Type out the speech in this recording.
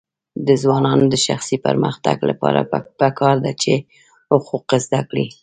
د ځوانانو د شخصي پرمختګ لپاره پکار ده چې حقوق زده کړي.